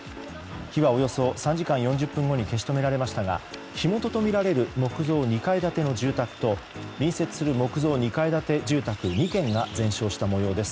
火はおよそ３時間４０分後に消し止められましたが火元とみられる木造２階建ての住宅と隣接する木造２階建て住宅２軒が全焼した模様です。